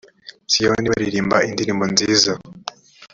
siyoni baririmba indirimbo nziza